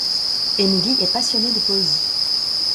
Emily est passionnée de poésie.